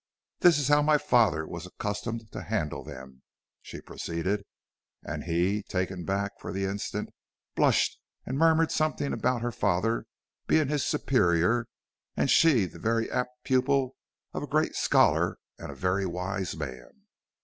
"This is how my father was accustomed to handle them," she proceeded, and he, taken aback for the instant, blushed and murmured something about her father being his superior and she the very apt pupil of a great scholar and a very wise man.